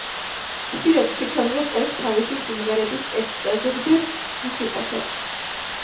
ხშირად თვითონვე წერს თავისი სიმღერების ტექსტს და ზოგჯერ მუსიკასაც.